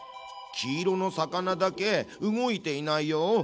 黄色の魚だけ動いていないよ。